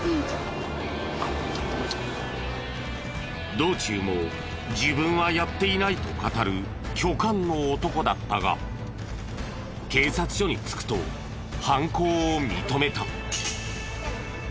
道中も「自分はやっていない」と語る巨漢の男だったが警察署に着くと犯行を認めた。